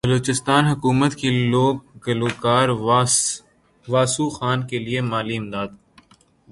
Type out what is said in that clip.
بلوچستان حکومت کی لوک گلوکار واسو خان کیلئے مالی امداد